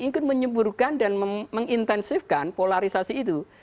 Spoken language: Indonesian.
ingin menyuburkan dan mengintensifkan polarisasi itu